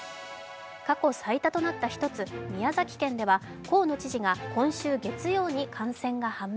過去最多となった一つ宮崎県では河野知事が今週月曜に感染が判明。